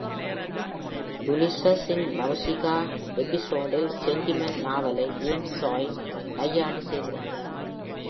"Ulysses" இன் "Nausicaa" எபிசோடில் sentiment நாவலை ஜேம்ஸ் ஜாய்ஸ் நையாண்டி செய்திருக்கிறார்.